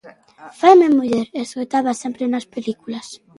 Faime muller, escoitaba sempre nas películas.